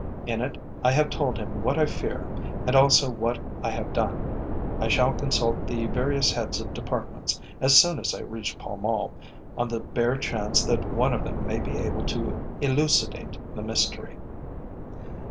"In it I have told him what I fear and also what I have done. I shall consult the various heads of Departments as soon as I reach Pall Mall, on the bare chance that one of them may be able to elucidate the mystery.